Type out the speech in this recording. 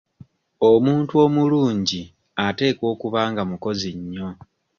Omuntu omulungi ateekwa okuba nga mukozi nnyo.